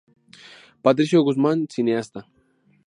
Patricio Guzmán: Cineasta.